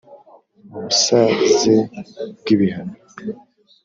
ubusaze bw ibihano